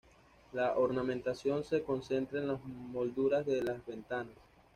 La ornamentación se concentra en las molduras de las ventanas.